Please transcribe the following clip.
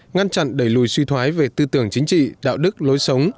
ngăn chặn đẩy lùi suy thoái về tư tưởng chính trị đạo đức lối sống